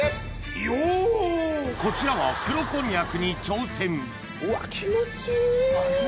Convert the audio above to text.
こちらは黒こんにゃくに挑戦うわっ。